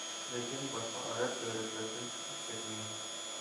لېكىن باشقا ئەرەب دۆلەتلىرىدىن چىقىپ كەتمىگەن.